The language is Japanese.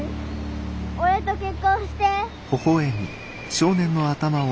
俺と結婚して。